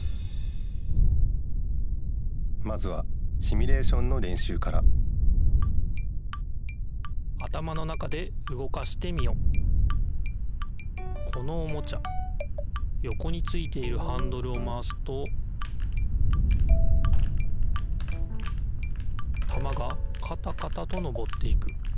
まずはシミュレーションのれんしゅうからこのおもちゃよこについているハンドルをまわすとたまがカタカタとのぼっていく。